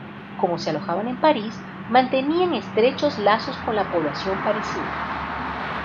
Como se alojaban en París, mantenían estrechos lazos con la población parisina.